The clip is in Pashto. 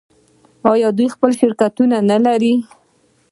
آیا دوی خپل شرکتونه نلري؟